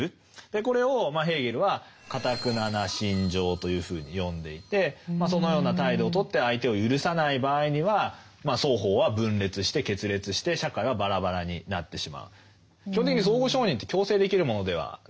これをヘーゲルは「かたくなな心情」というふうに呼んでいてそのような態度をとって相手を赦さない場合には双方は分裂して決裂して社会はバラバラになってしまう。